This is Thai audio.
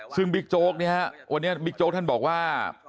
ซึ่งบิ๊กโจ๊กเนี่ยฮะวันนี้บิ๊กโจ๊กท่านบอกว่า